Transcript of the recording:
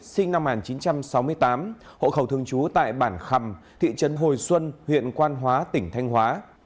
sinh năm một nghìn chín trăm sáu mươi tám hộ khẩu thường trú tại bản khầm thị trấn hồi xuân huyện quan hóa tỉnh thanh hóa